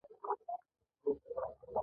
واردات باید کم شي